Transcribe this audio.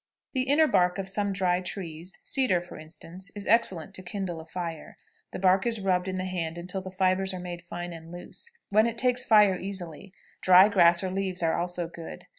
The inner bark of some dry trees, cedar for instance, is excellent to kindle a fire. The bark is rubbed in the hand until the fibres are made fine and loose, when it takes fire easily; dry grass or leaves are also good.